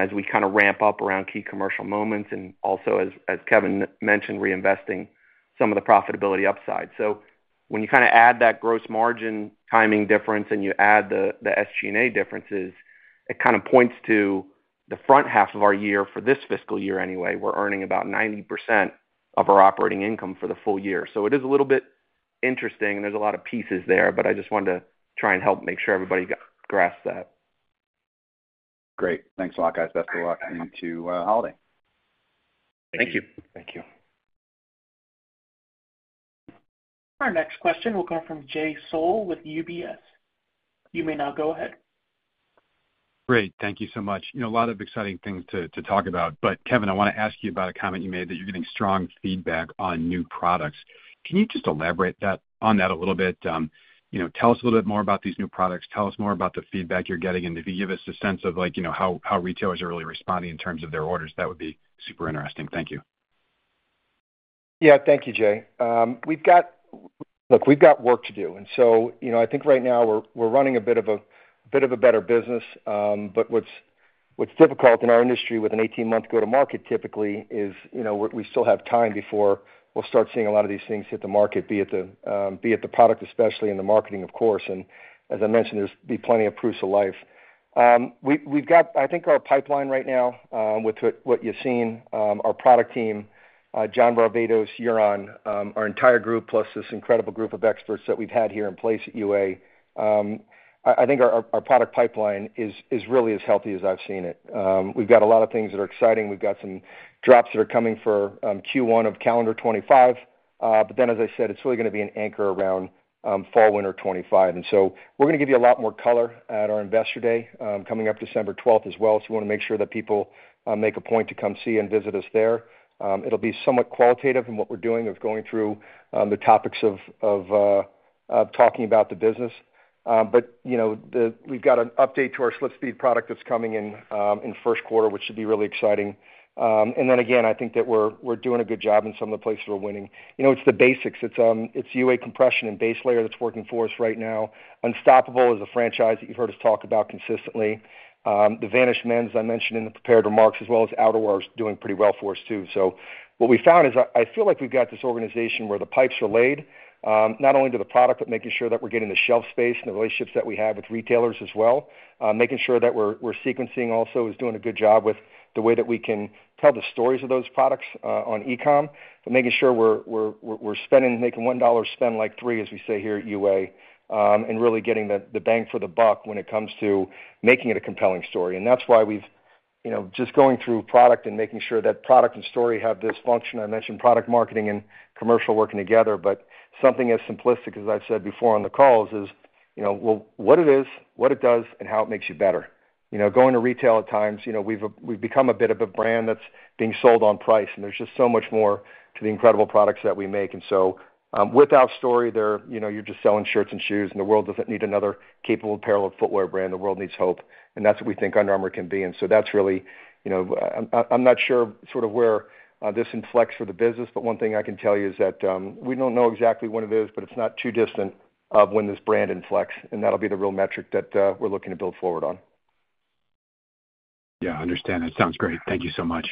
as we kind of ramp up around key commercial moments and also, as Kevin mentioned, reinvesting some of the profitability upside. So when you kind of add that gross margin timing difference and you add the SG&A differences, it kind of points to the front half of our year for this fiscal year anyway. We're earning about 90% of our operating income for the full year. So it is a little bit interesting, and there's a lot of pieces there, but I just wanted to try and help make sure everybody grasps that. Great. Thanks a lot, guys. Best of luck into holiday. Thank you. Thank you. Our next question will come from Jay Sole with UBS. You may now go ahead. Great. Thank you so much. A lot of exciting things to talk about. But Kevin, I want to ask you about a comment you made that you're getting strong feedback on new products. Can you just elaborate on that a little bit? Tell us a little bit more about these new products. Tell us more about the feedback you're getting. And if you give us a sense of how retailers are really responding in terms of their orders, that would be super interesting. Thank you. Yeah, thank you, Jay. Look, we've got work to do. And so I think right now we're running a bit of a better business. But what's difficult in our industry with an 18-month go-to-market typically is we still have time before we'll start seeing a lot of these things hit the market, be it the product especially and the marketing, of course. As I mentioned, there'll be plenty of proofs of life. We've got, I think, our pipeline right now with what you've seen, our product team, John Varvatos, our own, our entire group, plus this incredible group of experts that we've had here in place at UA. I think our product pipeline is really as healthy as I've seen it. We've got a lot of things that are exciting. We've got some drops that are coming for Q1 of calendar 2025. But then, as I said, it's really going to be an anchor around Fall/Winter 2025. And so we're going to give you a lot more color at our Investor Day coming up December 12th as well. So we want to make sure that people make a point to come see and visit us there. It'll be somewhat qualitative in what we're doing of going through the topics of talking about the business. But we've got an update to our SlipSpeed product that's coming in first quarter, which should be really exciting. And then again, I think that we're doing a good job in some of the places we're winning. It's the basics. It's UA Compression and base layer that's working for us right now. Unstoppable is a franchise that you've heard us talk about consistently. The Vanish men, as I mentioned in the prepared remarks, as well as outerwear doing pretty well for us too. So what we found is I feel like we've got this organization where the pipes are laid, not only to the product, but making sure that we're getting the shelf space and the relationships that we have with retailers as well. Making sure that we're sequencing also is doing a good job with the way that we can tell the stories of those products on e-comm. But making sure we're making $1 spend like $3, as we say here at UA, and really getting the bang for the buck when it comes to making it a compelling story. And that's why we've just going through product and making sure that product and story have this function. I mentioned product marketing and commercial working together. But something as simplistic as I've said before on the calls is what it is, what it does, and how it makes you better. Going to retail at times, we've become a bit of a brand that's being sold on price. And there's just so much more to the incredible products that we make. And so with our story, you're just selling shirts and shoes, and the world doesn't need another capable apparel or footwear brand. The world needs hope. And that's what we think Under Armour can be. And so that's really. I'm not sure sort of where this inflects for the business, but one thing I can tell you is that we don't know exactly when it is, but it's not too distant of when this brand inflects. And that'll be the real metric that we're looking to build forward on. Yeah, I understand. That sounds great. Thank you so much.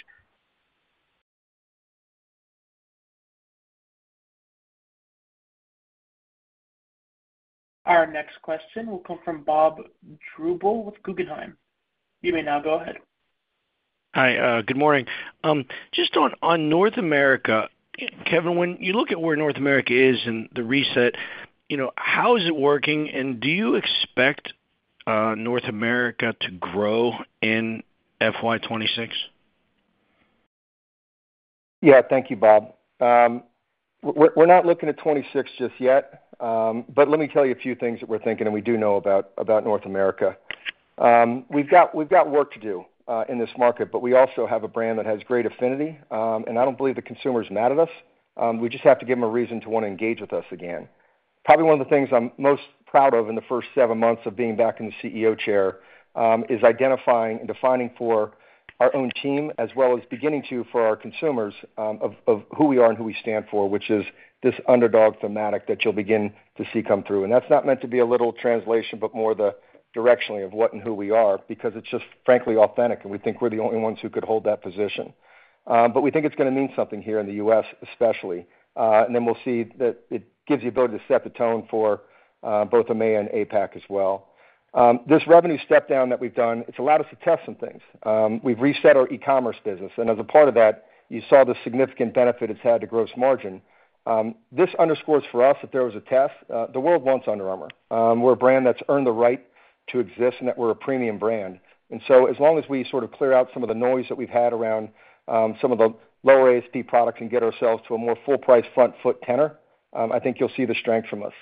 Our next question will come from Bob Drbul with Guggenheim. You may now go ahead. Hi. Good morning. Just on North America, Kevin, when you look at where North America is and the reset, how is it working? And do you expect North America to grow in FY2026? Yeah. Thank you, Bob. We're not looking at 2026 just yet. But let me tell you a few things that we're thinking and we do know about North America. We've got work to do in this market, but we also have a brand that has great affinity. And I don't believe the consumer is mad at us. We just have to give them a reason to want to engage with us again. Probably one of the things I'm most proud of in the first seven months of being back in the CEO chair is identifying and defining for our own team as well as beginning to for our consumers of who we are and who we stand for, which is this underdog thematic that you'll begin to see come through. And that's not meant to be a literal translation, but more the directionally of what and who we are because it's just frankly authentic. And we think we're the only ones who could hold that position. But we think it's going to mean something here in the U.S., especially. And then we'll see that it gives the ability to set the tone for both EMEA and APAC as well. This revenue step down that we've done, it's allowed us to test some things. We've reset our e-commerce business. And as a part of that, you saw the significant benefit it's had to gross margin. This underscores for us that there was a test. The world wants Under Armour. We're a brand that's earned the right to exist and that we're a premium brand. And so as long as we sort of clear out some of the noise that we've had around some of the lower ASP products and get ourselves to a more full-price front-foot tenor, I think you'll see the strength from us.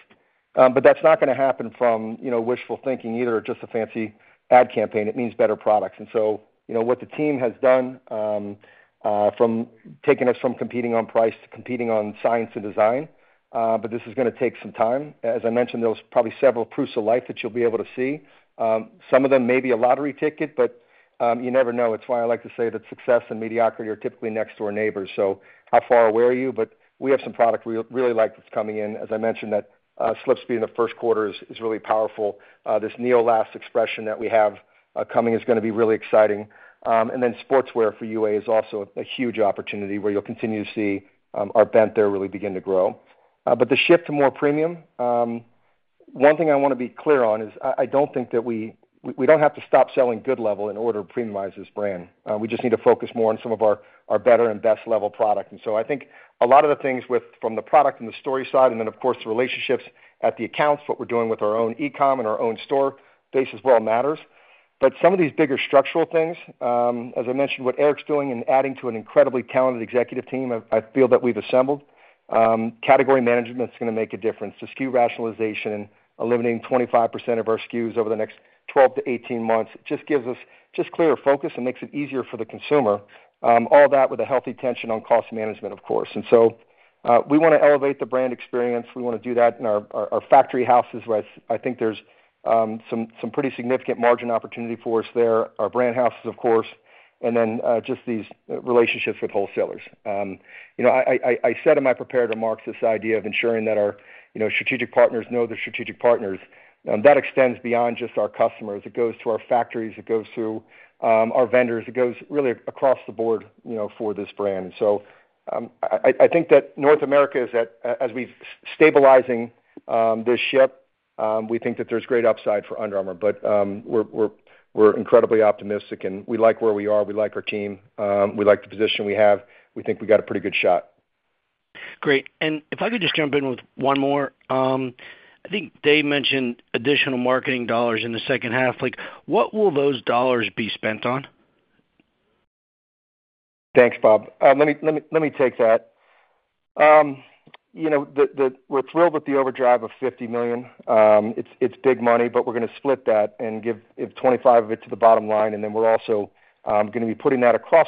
But that's not going to happen from wishful thinking either or just a fancy ad campaign. It means better products. And so what the team has done from taking us from competing on price to competing on science and design, but this is going to take some time. As I mentioned, there's probably several proofs of life that you'll be able to see. Some of them may be a lottery ticket, but you never know. It's why I like to say that success and mediocrity are typically next-door neighbors. So how far away are you? But we have some product we really like that's coming in. As I mentioned, that SlipSpeed in the first quarter is really powerful. This NEOLAST expression that we have coming is going to be really exciting, and then sportswear for UA is also a huge opportunity where you'll continue to see our brand there really begin to grow. But the shift to more premium, one thing I want to be clear on is I don't think that we don't have to stop selling good level in order to premiumize this brand. We just need to focus more on some of our better and best level product, and so I think a lot of the things from the product and the story side and then, of course, the relationships at the accounts, what we're doing with our own e-comm and our own store base as well matters. But some of these bigger structural things, as I mentioned, what Eric's doing and adding to an incredibly talented executive team I feel that we've assembled. Category management's going to make a difference. The SKU rationalization, eliminating 25% of our SKUs over the next 12-18 months. It just gives us just clearer focus and makes it easier for the consumer. All that with a healthy tension on cost management, of course. And so we want to elevate the brand experience. We want to do that in our Factory Houses where I think there's some pretty significant margin opportunity for us there, our Brand Houses, of course, and then just these relationships with wholesalers. I said in my prepared remarks this idea of ensuring that our strategic partners know their strategic partners. That extends beyond just our customers. It goes to our factories. It goes to our vendors. It goes really across the board for this brand. And so I think that North America is, as we've stabilizing this ship, we think that there's great upside for Under Armour. But we're incredibly optimistic, and we like where we are. We like our team. We like the position we have. We think we've got a pretty good shot. Great. And if I could just jump in with one more. I think Dave mentioned additional marketing dollars in the second half. What will those dollars be spent on? Thanks, Bob. Let me take that. We're thrilled with the overdrive of $50 million. It's big money, but we're going to split that and give $25 million of it to the bottom line. And then we're also going to be putting that across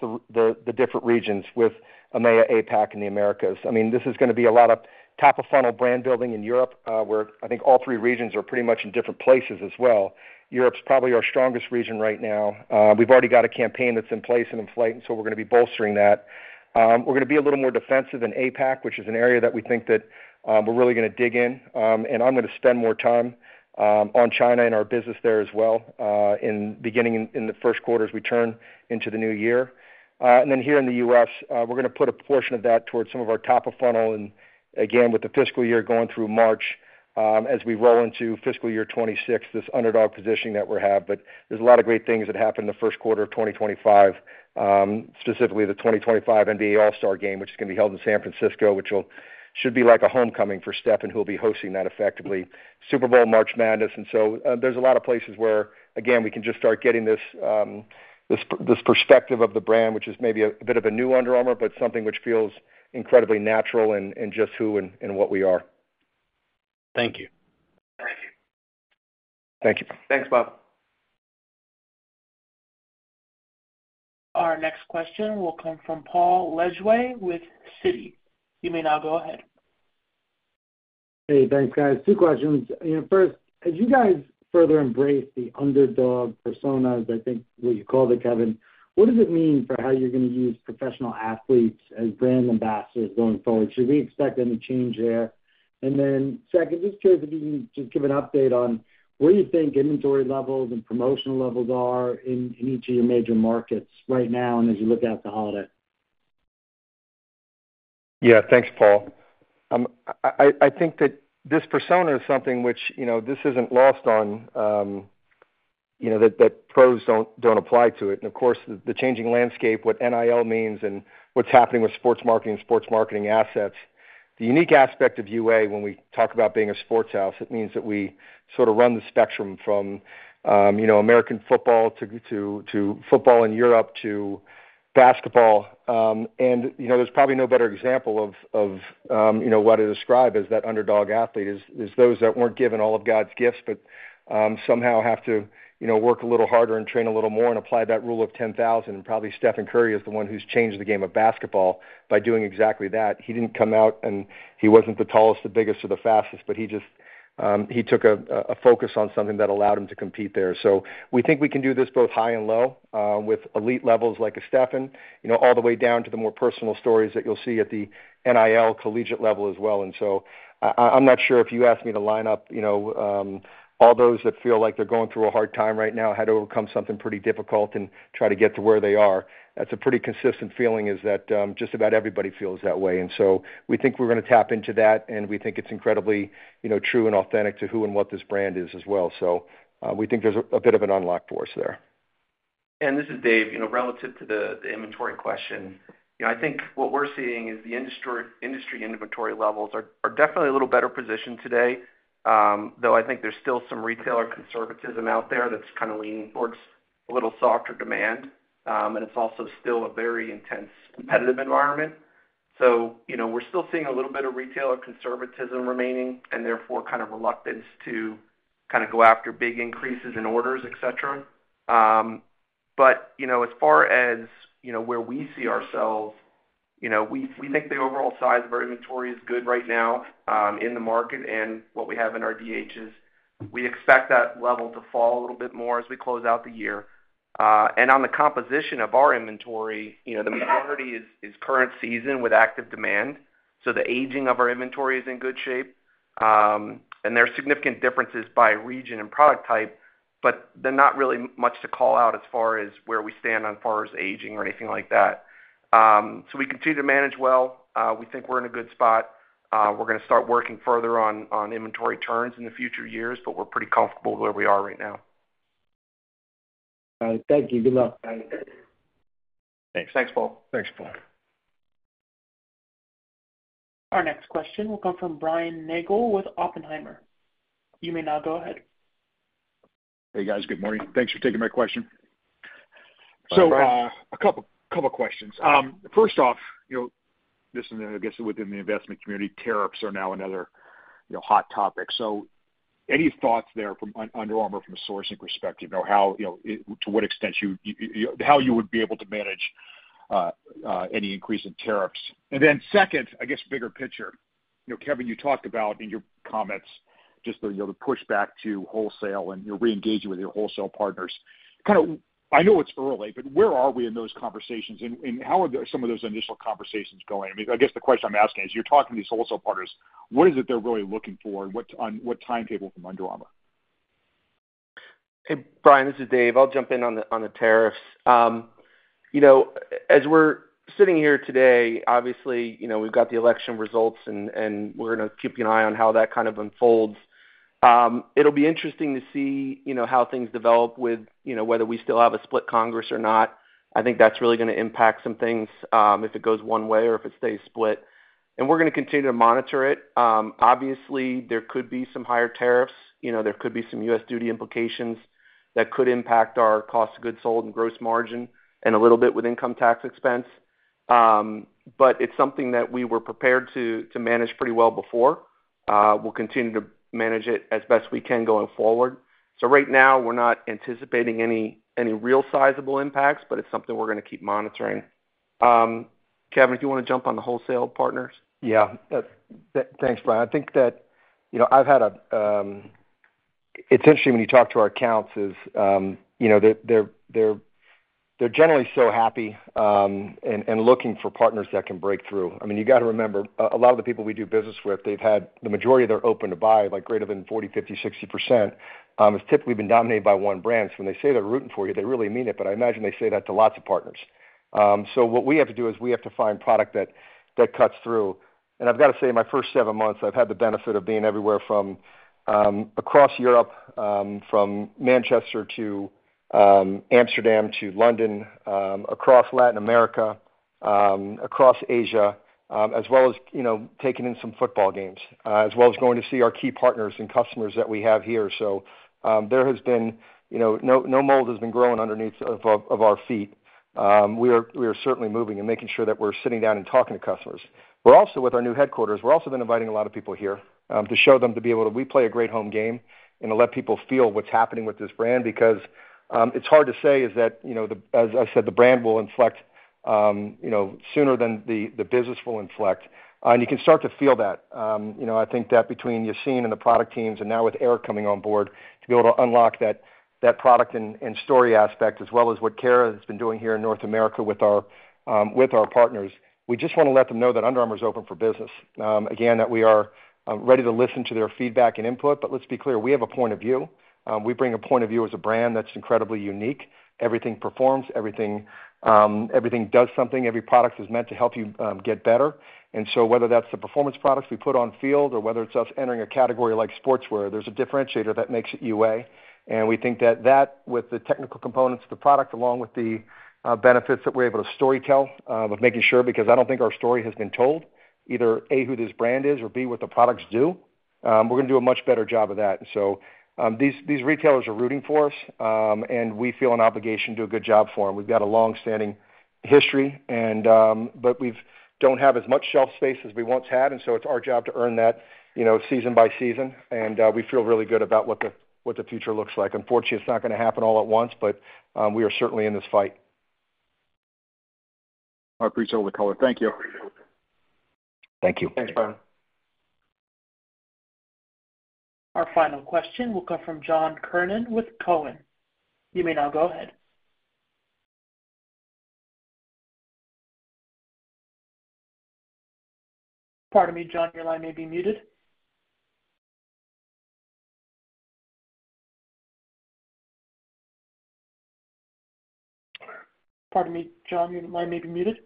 the different regions with EMEA, APAC, and the Americas. I mean, this is going to be a lot of top-of-funnel brand building in Europe where I think all three regions are pretty much in different places as well. Europe's probably our strongest region right now. We've already got a campaign that's in place and in flight, and so we're going to be bolstering that. We're going to be a little more defensive in APAC, which is an area that we think that we're really going to dig in. And I'm going to spend more time on China and our business there as well in the first quarter as we turn into the new year. And then here in the U.S., we're going to put a portion of that towards some of our top-of-funnel and, again, with the fiscal year going through March as we roll into fiscal year 2026, this underdog positioning that we have. But there's a lot of great things that happen in the first quarter of 2025, specifically the 2025 NBA All-Star Game, which is going to be held in San Francisco, which should be like a homecoming for Stephen, who will be hosting that effectively. Super Bowl, March Madness. And so there's a lot of places where, again, we can just start getting this perspective of the brand, which is maybe a bit of a new Under Armour, but something which feels incredibly natural in just who and what we are. Thank you. Thank you. Thank you. Thanks, Bob. Our next question will come from Paul Lejuez with Citi. You may now go ahead. Hey, thanks, guys. Two questions. First, as you guys further embrace the underdog personas, I think what you call them, Kevin, what does it mean for how you're going to use professional athletes as brand ambassadors going forward? Should we expect any change there? And then second, just curious if you can just give an update on where you think inventory levels and promotional levels are in each of your major markets right now and as you look out to holiday. Yeah. Thanks, Paul. I think that this persona is something which this isn't lost on, that pros don't apply to it. And of course, the changing landscape, what NIL means, and what's happening with sports marketing and sports marketing assets. The unique aspect of UA, when we talk about being a sports house, it means that we sort of run the spectrum from American football to football in Europe to basketball. And there's probably no better example of what I describe as that underdog athlete is those that weren't given all of God's gifts, but somehow have to work a little harder and train a little more and apply that rule of 10,000. And probably Stephen Curry is the one who's changed the game of basketball by doing exactly that. He didn't come out and he wasn't the tallest, the biggest, or the fastest, but he took a focus on something that allowed him to compete there. So we think we can do this both high and low with elite levels like a Stephen, all the way down to the more personal stories that you'll see at the NIL collegiate level as well. And so, I'm not sure if you asked me to line up all those that feel like they're going through a hard time right now, had to overcome something pretty difficult and try to get to where they are. That's a pretty consistent feeling is that just about everybody feels that way. And so we think we're going to tap into that, and we think it's incredibly true and authentic to who and what this brand is as well. So we think there's a bit of an unlocked for us there. And this is Dave. Relative to the inventory question, I think what we're seeing is the industry inventory levels are definitely a little better positioned today, though I think there's still some retailer conservatism out there that's kind of leaning towards a little softer demand. And it's also still a very intense competitive environment. So we're still seeing a little bit of retailer conservatism remaining and therefore kind of reluctance to kind of go after big increases in orders, etc. But as far as where we see ourselves, we think the overall size of our inventory is good right now in the market and what we have in our DTCs. We expect that level to fall a little bit more as we close out the year. And on the composition of our inventory, the majority is current season with active demand. So the aging of our inventory is in good shape. And there are significant differences by region and product type, but there's not really much to call out as far as where we stand on as far as aging or anything like that. So we continue to manage well. We think we're in a good spot. We're going to start working further on inventory turns in the future years, but we're pretty comfortable where we are right now. Got it. Thank you. Good luck. Thanks. Thanks, Paul. Thanks, Paul. Our next question will come from Brian Nagel with Oppenheimer. You may now go ahead. Hey, guys. Good morning. Thanks for taking my question. So a couple of questions. First off, this is, I guess, within the investment community, tariffs are now another hot topic. So any thoughts there from Under Armour from a sourcing perspective? To what extent would you be able to manage any increase in tariffs? And then second, I guess, bigger picture. Kevin, you talked about in your comments just the pushback to wholesale and your re-engaging with your wholesale partners. Kind of, I know it's early, but where are we in those conversations? And how are some of those initial conversations going? I mean, I guess the question I'm asking is you're talking to these wholesale partners, what is it they're really looking for and what timetable from Under Armour? Hey, Brian, this is Dave. I'll jump in on the tariffs. As we're sitting here today, obviously, we've got the election results, and we're going to keep an eye on how that kind of unfolds. It'll be interesting to see how things develop with whether we still have a split Congress or not. I think that's really going to impact some things if it goes one way or if it stays split. And we're going to continue to monitor it. Obviously, there could be some higher tariffs. There could be some U.S. duty implications that could impact our cost of goods sold and gross margin and a little bit with income tax expense. But it's something that we were prepared to manage pretty well before. We'll continue to manage it as best we can going forward. So right now, we're not anticipating any real sizable impacts, but it's something we're going to keep monitoring. Kevin, if you want to jump on the wholesale partners. Yeah. Thanks, Brian. I think that I've had a it's interesting when you talk to our accounts is they're generally so happy and looking for partners that can break through. I mean, you got to remember, a lot of the people we do business with, they've had the majority of their open-to-buy, like greater than 40%, 50%, 60%, has typically been dominated by one brand. So when they say they're rooting for you, they really mean it. But I imagine they say that to lots of partners. So what we have to do is we have to find product that cuts through. And I've got to say, in my first seven months, I've had the benefit of being everywhere from across Europe, from Manchester to Amsterdam to London, across Latin America, across Asia, as well as taking in some football games, as well as going to see our key partners and customers that we have here. So there has been no moss growing underneath of our feet. We are certainly moving and making sure that we're sitting down and talking to customers. We're also with our new headquarters. We've also been inviting a lot of people here to show them, to be able to, we play a great home game and to let people feel what's happening with this brand because it's hard to say, as I said, the brand will inflect sooner than the business will inflect. You can start to feel that. I think that between Yassine and the product teams and now with Eric coming on board to be able to unlock that product and story aspect as well as what Kara has been doing here in North America with our partners, we just want to let them know that Under Armour is open for business. Again, that we are ready to listen to their feedback and input. Let's be clear. We have a point of view. We bring a point of view as a brand that's incredibly unique. Everything performs. Everything does something. Every product is meant to help you get better. And so whether that's the performance products we put on field or whether it's us entering a category like sportswear, there's a differentiator that makes it UA. And we think that that, with the technical components of the product, along with the benefits that we're able to storytell of making sure because I don't think our story has been told, either A, who this brand is, or B, what the products do, we're going to do a much better job of that. And so these retailers are rooting for us, and we feel an obligation to do a good job for them. We've got a long-standing history, but we don't have as much shelf space as we once had. And so it's our job to earn that season by season. And we feel really good about what the future looks like. Unfortunately, it's not going to happen all at once, but we are certainly in this fight. I appreciate all the color. Thank you. Thank you. Thanks, Brian. Our final question will come from John Kernan with TD Cowen. You may now go ahead. Pardon me, John, your line may be muted. Pardon me, John, your line may be muted.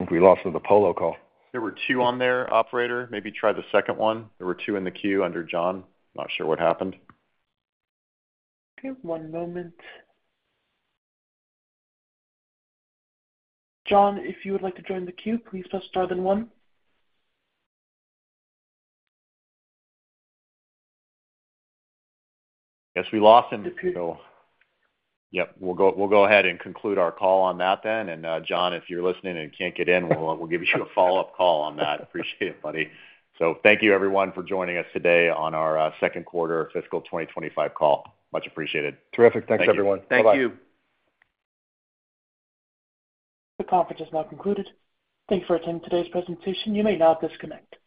I think we lost him at the Polo call. There were two on there, operator. Maybe try the second one. There were two in the queue under John. Not sure what happened. Okay. One moment. John, if you would like to join the queue, please press star then one. Yes, we lost him. Yep. We'll go ahead and conclude our call on that then. And John, if you're listening and can't get in, we'll give you a follow-up call on that. Appreciate it, buddy. So thank you, everyone, for joining us today on our second quarter fiscal 2025 call. Much appreciated. Terrific. Thanks, everyone. Thanks. Thank you. The conference is now concluded. Thank you for attending today's presentation. You may now disconnect.